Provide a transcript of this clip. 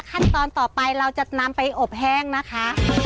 ขั้นตอนต่อไปเราจะนำไปอบแห้งนะคะ